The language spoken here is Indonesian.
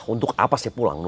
untuk apa sih pulang doi